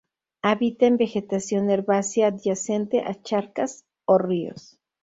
Habita en vegetación herbácea adyacente a charcas o ríos.